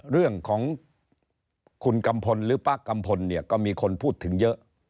เรื่องของคุณกัมพลหรือป้ากัมพลเนี่ยก็มีคนพูดถึงเยอะ